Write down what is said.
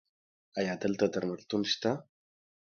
ایا دلته درملتون شته؟